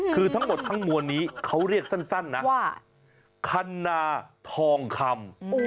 คือทั้งหมดทั้งมวลนี้เขาเรียกสั้นนะว่าคันนาทองคำ